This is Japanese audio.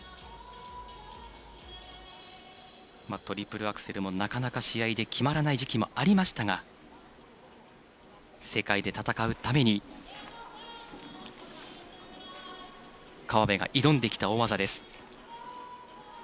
トリプルアクセルも、なかなか試合で決まらない時期もありましたが世界で戦うために河辺が挑んできた大技です。